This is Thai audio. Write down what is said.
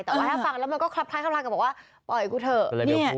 แต่ว่าถ้าฟังแล้วมันก็คลับคล้ายกับบอกว่าปล่อยกูเถอะ